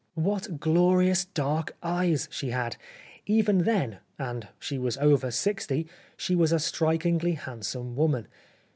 What glorious dark eyes she had ! Even then, and she was over sixty, she was a strikingly handsome woman.